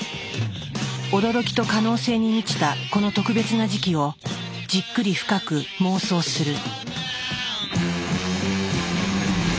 驚きと可能性に満ちたこの特別な時期をじっくり深く妄想する。